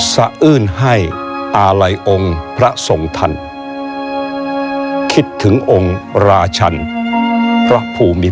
สะอื้นให้อาลัยองค์พระทรงทันคิดถึงองค์ราชันพระภูมิ